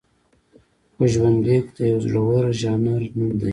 خو ژوندلیک د یوه زړور ژانر نوم دی.